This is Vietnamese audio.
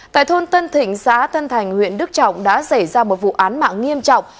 tại thôn tân thịnh xã tân thành huyện đức trọng đã xảy ra một vụ án mạng nghiêm trọng